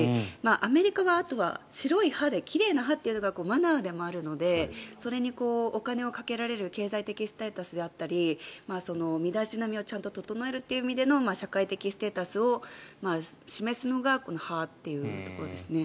アメリカはあとは白い歯で、奇麗な歯っていうのがマナーでもあるのでそれにお金をかけられる経済的ステータスであったり身だしなみをちゃんと整えるという意味での社会的ステータスを示すのが歯というところですね。